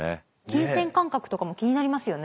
金銭感覚とかも気になりますよね。